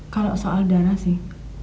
kalau soal darah sih